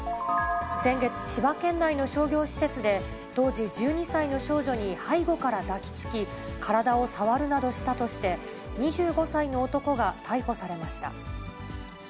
先月、千葉県内の商業施設で、当時１２歳の少女に背後から抱きつき、体を触るなどしたとして、２５歳の男が逮捕されました。